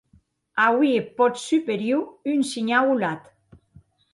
Auie eth pòt superior un shinhau holat.